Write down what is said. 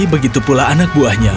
begitu pula anak buahnya